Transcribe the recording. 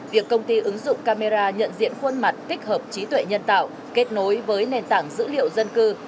việc công ty ứng dụng camera nhận diện khuôn mặt tích hợp trí tuệ nhân tạo kết nối với nền tảng dữ liệu dân cư